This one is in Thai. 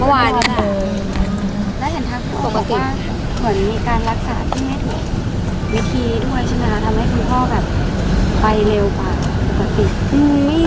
ภาษาสนิทยาลัยสุดท้าย